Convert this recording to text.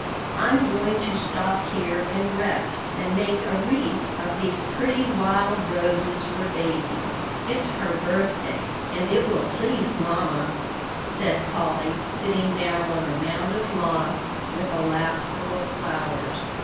"I'm going to stop here and rest, and make a wreath of these pretty wild roses for baby: it's her birthday, and it will please mamma," said Polly, sitting down on a mound of moss, with a lapful of flowers.